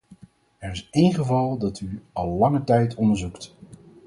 Er is één geval dat u al lange tijd onderzoekt.